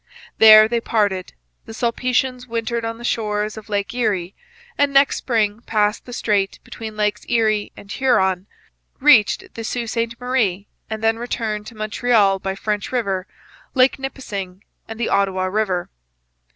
There they parted. The Sulpicians wintered on the shores of Lake Erie, and next spring passed the strait between Lakes Erie and Huron, reached the Sault Sainte Marie, and then returned to Montreal by French river, Lake Nipissing, and the Ottawa river.